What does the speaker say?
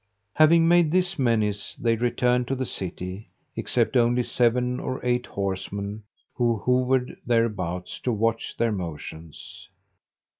Having made this menace, they returned to the city, except only seven or eight horsemen, who hovered thereabouts to watch their motions.